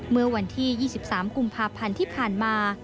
เมื่อวันที่๒๓กุมภาพันธ์ที่ผ่านมา